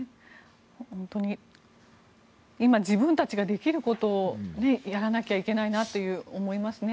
本当に今、自分たちができることをやらなきゃいけないなと思いますね。